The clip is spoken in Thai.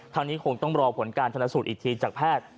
นี้คงต้องรอผลการชนสูตรอีกทีจากแพทย์